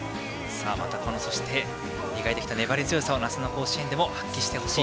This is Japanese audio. そして磨いてきた粘り強さを夏の甲子園でも発揮してほしい。